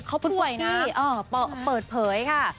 เขาป่วยนะใช่ไหมอ๋อเปิดเผยค่ะ